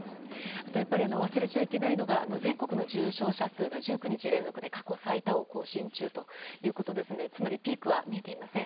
あとやっぱり忘れちゃいけないのが全国の重症者数が１９日連続で過去最多を更新中ということですのでつまりピークは見えていません。